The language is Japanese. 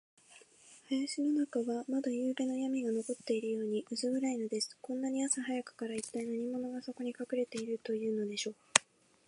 林の中は、まだゆうべのやみが残っているように、うす暗いのです。こんなに朝早くから、いったい何者が、そこにかくれているというのでしょう。